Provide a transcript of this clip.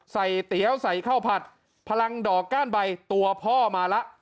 เตี๋ยวใส่ข้าวผัดพลังดอกก้านใบตัวพ่อมาแล้ว